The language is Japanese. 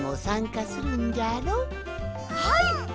はい！